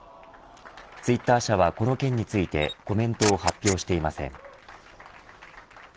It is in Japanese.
ツイッター社はこの件についてコメントを発表していません。